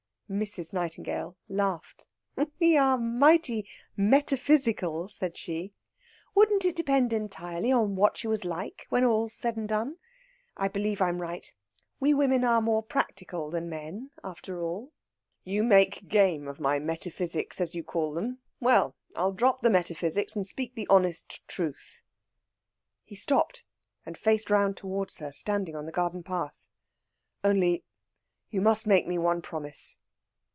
Mrs. Nightingale laughed. "We are mighty metaphysical," said she. "Wouldn't it depend entirely on what she was like, when all's said and done? I believe I'm right. We women are more practical than men, after all." "You make game of my metaphysics, as you call them. Well, I'll drop the metaphysics and speak the honest truth." He stopped and faced round towards her, standing on the garden path. "Only, you must make me one promise."